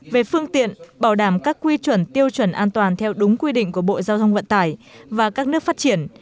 về phương tiện bảo đảm các quy chuẩn tiêu chuẩn an toàn theo đúng quy định của bộ giao thông vận tải và các nước phát triển